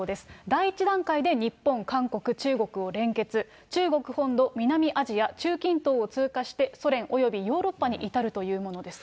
第一段階で日本、韓国、中国を連結、中国本土、南アジア、中近東を通過して、ソ連、およびヨーロッパに至るというものです。